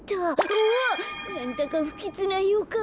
うわっなんだかふきつなよかん。